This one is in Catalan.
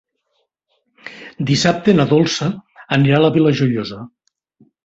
Dissabte na Dolça anirà a la Vila Joiosa.